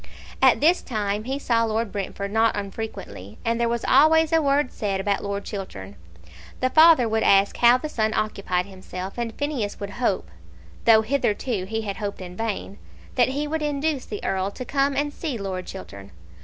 At this time he saw Lord Brentford not unfrequently, and there was always a word said about Lord Chiltern. The father would ask how the son occupied himself, and Phineas would hope, though hitherto he had hoped in vain, that he would induce the Earl to come and see Lord Chiltern.